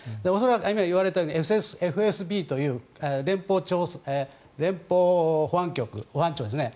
今言われたようにＦＳＢという連邦保安局ですね